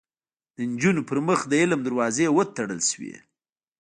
د نجونو پر مخ د علم دروازې وتړل شوې